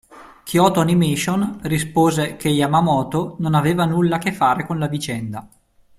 Kyoto Animation rispose che Yamamoto non aveva nulla a che fare con la vicenda.